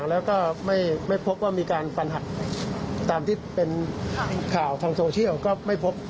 แล้วก็ไม่พบว่ามีการฟันหักตามที่เป็นข่าวทางโซเชียลก็ไม่พบ